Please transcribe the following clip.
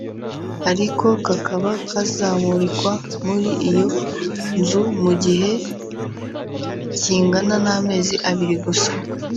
ariko kakaba kazamurikwa muri iyo nzu mu gihe kingana n’amezi abiri gusa